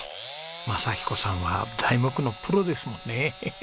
正彦さんは材木のプロですもんね。